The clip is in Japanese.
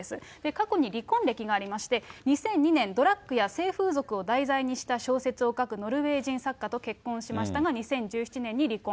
過去に離婚歴がありまして、２００２年、ドラッグや性風俗を題材にした小説を書くノルウェー人作家と結婚しましたが２０１７年に離婚。